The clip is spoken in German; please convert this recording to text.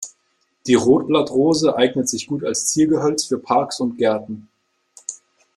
Die Rotblatt-Rose eignet sich gut als Ziergehölz für Parks und Gärten.